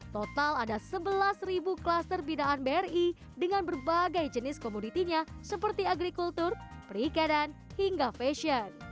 total ada sebelas klaster binaan bri dengan berbagai jenis komoditinya seperti agrikultur perikanan hingga fashion